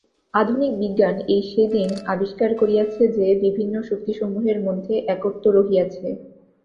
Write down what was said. আধুনিক বিজ্ঞান এই সে-দিন আবিষ্কার করিয়াছে যে, বিভিন্ন শক্তিসমূহের মধ্যে একত্ব রহিয়াছে।